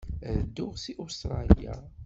Ad dduɣ seg Ustṛalya.